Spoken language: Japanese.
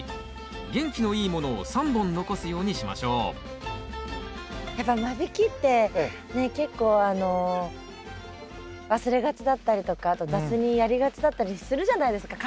元気のいいものを３本残すようにしましょうやっぱ間引きって結構忘れがちだったりとかあと雑にやりがちだったりするじゃないですか簡単なので。